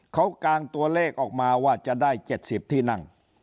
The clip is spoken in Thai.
เขากางตัวเลขออกมาว่าจะได้๗๐ที่นั่ง